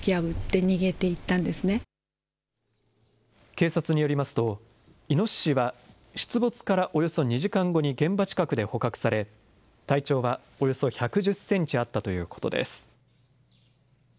警察によりますと、イノシシは出没からおよそ２時間後に現場近くで捕獲され、体長はおよそ１１０センチあったということです。